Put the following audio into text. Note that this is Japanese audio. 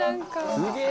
すげえ！